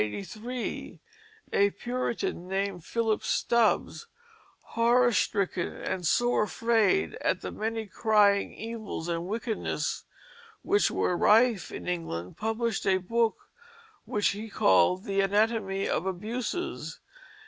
Page from Youthful Sports] In the year 1583 a Puritan, named Phillip Stubbes, horror stricken and sore afraid at the many crying evils and wickednesses which were rife in England, published a book which he called The Anatomie of Abuses.